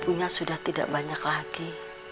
punya sudah tidak banyak lagi